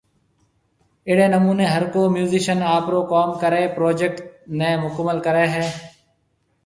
اھڙي نموني ھرڪو ميوزشن آپرو ڪوم ڪري پروجيڪٽ ني مڪمل ڪري ھيَََ